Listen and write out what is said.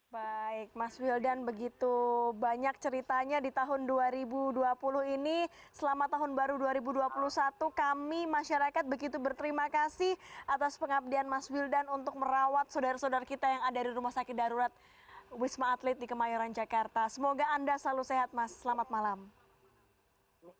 baik mas wildan begitu banyak ceritanya di tahun dua ribu dua puluh ini selamat tahun baru dua ribu dua puluh satu kami masyarakat begitu berterima kasih atas pengabdian mas wildan untuk merawat saudara saudara kita yang ada di rumah sakit darurat wisma atlet di kemayoran jakarta semoga anda selalu sehat mas selamat malam